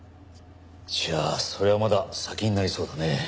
じゃあそれはまだ先になりそうだね。